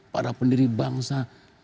para pendiri bangsa